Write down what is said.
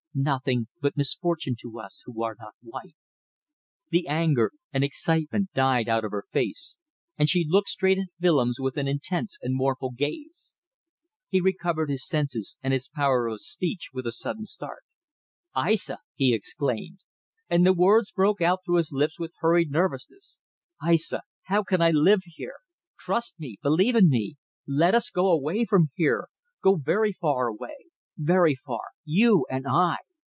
"Nothing but misfortune to us who are not white." The anger and excitement died out of her face, and she looked straight at Willems with an intense and mournful gaze. He recovered his senses and his power of speech with a sudden start. "Aissa," he exclaimed, and the words broke out through his lips with hurried nervousness. "Aissa! How can I live here? Trust me. Believe in me. Let us go away from here. Go very far away! Very far; you and I!"